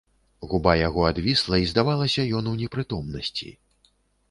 Губа яго адвісла, і здавалася, ён у непрытомнасці.